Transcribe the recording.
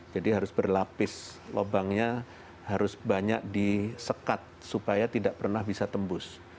jadi harus berlapis lubangnya harus banyak disekat supaya tidak pernah bisa tembus